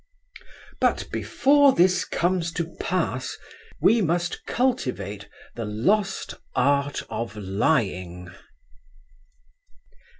But before this comes to pass we must cultivate the lost art of Lying.